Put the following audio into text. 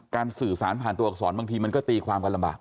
การสื่อสารผ่านตัวกับสอนบางทีมันก็ตีความก็ลำบาก